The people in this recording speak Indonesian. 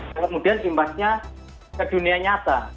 yang kemudian imbasnya ke dunia nyata